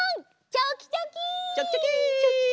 チョキチョキ！